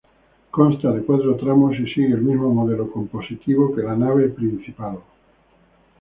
Consta de cuatro tramos y sigue el mismo modelo compositivo que la nave principal.